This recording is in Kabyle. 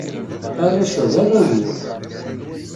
Arrac-a, d arraw-iw.